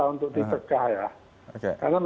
menjadi misi terdamai